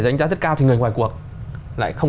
đánh giá rất cao thì người ngoài cuộc lại không